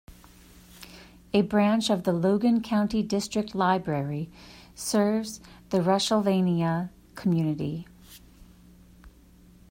A branch of the Logan County District Library serves the Rushsylvania community.